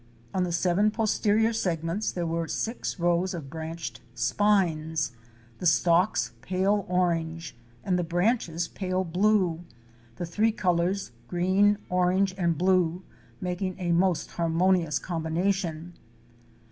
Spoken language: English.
On the seven posterior segments there were six rows of branched spines, the stalks pale orange and the branches pale blue —the three colors, green, orange and blue, making a most har monious combination.